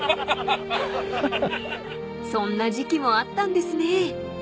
［そんな時期もあったんですね］